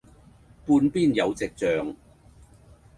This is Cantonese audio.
羊邊有隻象